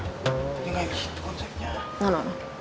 tapi gak gitu konsepnya